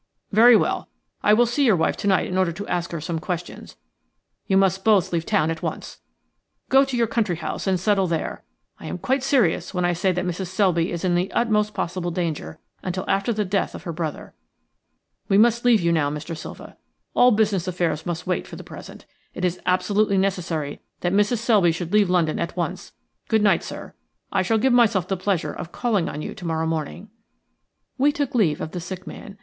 "Very well. I will see your wife tonight in order to ask her some questions. You must both leave town at once. Go to your country house and settle there. I am quite serious when I say that Mrs. Selby is in the utmost possible danger until after the death of her brother. We must leave you now, Mr. Silva. All business affairs must wait for the present. It is absolutely necessary that Mrs. Selby should leave London at once. Good night, sir. I shall give myself the pleasure of calling on you to morrow morning." We took leave of the sick man.